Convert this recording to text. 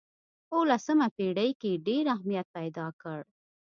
په اولسمه پېړۍ کې یې ډېر اهمیت پیدا کړ.